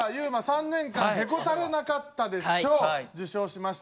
「３年間へこたれなかったで賞」受賞しました。